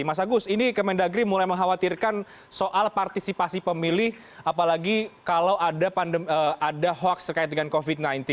mas agus ini kemendagri mulai mengkhawatirkan soal partisipasi pemilih apalagi kalau ada hoax terkait dengan covid sembilan belas